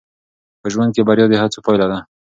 په ژوند کې بریا د هڅو پایله ده.